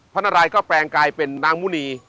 นารัยก็แปลงกลายเป็นนางมุณี